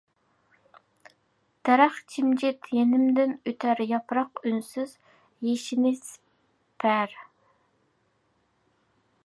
دەرەخ جىمجىت يېنىمدىن ئۆتەر ياپراق ئۈنسىز يېشىنى سېپەر.